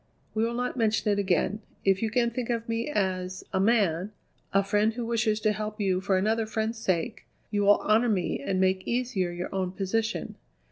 "We will not mention it again. If you can think of me as a man, a friend who wishes to help you for another friend's sake, you will honour me and make easier your own position.